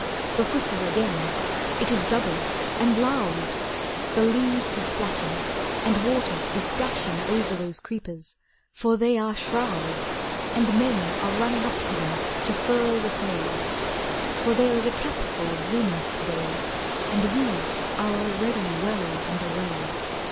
The whistle again: It is double and loud! The leaves are splashing, And water is dashing Over those creepers, for they are shrouds; And men are running up them to furl the sails, For there is a capful of wind to day, And we are already well under way.